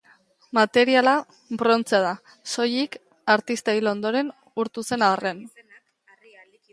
Materiala brontzea da, soilik artista hil ondoren urtu zen arren.